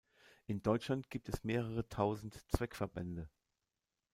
In Deutschland gibt es mehrere Tausend Zweckverbände.